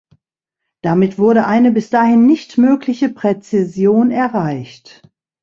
Damit wurde eine bis dahin nicht mögliche Präzision erreicht.